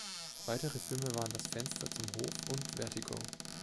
Weitere Filme waren "Das Fenster zum Hof" und "Vertigo".